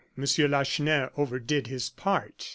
Lacheneur overdid his part.